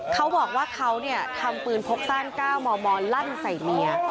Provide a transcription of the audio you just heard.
เขาบอกว่าเขาเนี่ยทำปืนพกสร้างก้าวมอมมอลลั่นใส่เมีย